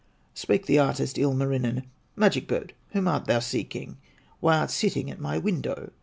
Spake the artist, Ilmarinen: "Magic bird, whom art thou seeking, Why art sitting at my window?"